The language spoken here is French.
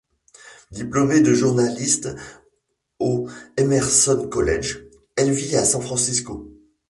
Diplômée de journalisme au Emerson College, elle vit à San Francisco.